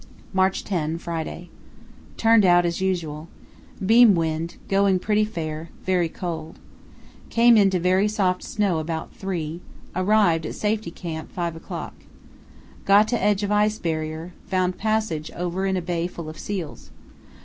"March 10, Friday.—Turned out as usual. Beam wind, going pretty fair, very cold. Came into very soft snow about 3; arrived at Safety Camp 5 o'clock. Got to edge of Ice Barrier; found passage over in a bay full of seals.